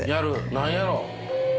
何やろう。